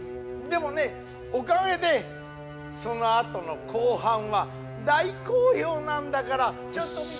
でもねおかげでそのあとの後半は大好評なんだからちょっと見て。